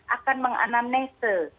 akan menganam nese